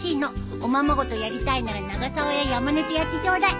おままごとやりたいなら永沢や山根とやってちょうだい。